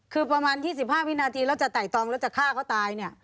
คือประมาณ๒๕วินาทีแล้วจะไต่ตองแล้วจะฆ่าเขาตายเนี่ย